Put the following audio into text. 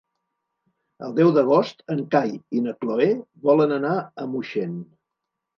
El deu d'agost en Cai i na Cloè volen anar a Moixent.